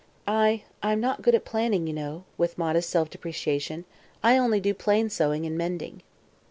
I I'm not good at planning, you know," with modest self deprecation. "I only do plain sewing and mending."